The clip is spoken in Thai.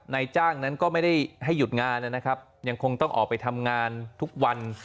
นายจ้างนั้นก็ไม่ได้ให้หยุดงานนะครับยังคงต้องออกไปทำงานทุกวัน